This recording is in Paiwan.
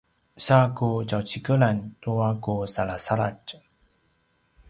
sa ku tjaucikelan tua ku salasaladj